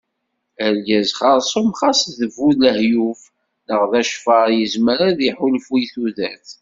Argaz xerṣum xas d bu lehyuf neɣ d aceffar yezmer ad iḥulfu i tudert.